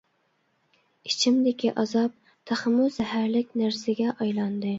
ئىچىمدىكى ئازاب تېخىمۇ زەھەرلىك نەرسىگە ئايلاندى.